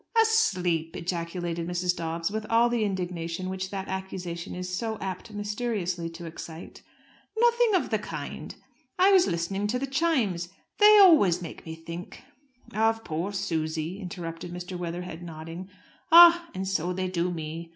"Asleep!" ejaculated Mrs. Dobbs, with all the indignation which that accusation is so apt mysteriously to excite. "Nothing of the kind! I was listening to the chimes. They always make me think " "Of poor Susy," interrupted Mr. Weatherhead, nodding. "Ah! And so they do me.